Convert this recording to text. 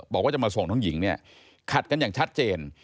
บอกว่าจะมาส่งน้องหญิงเนี่ยขัดกันอย่างชัดเจน